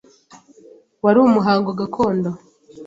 Wari umuhango gakondo.